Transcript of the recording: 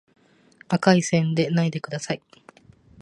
赤い線でないでください